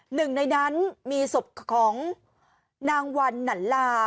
หนึ่งในนั้นมีศพของนางวันหนันลา